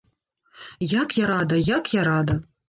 Як я рада, як я рада!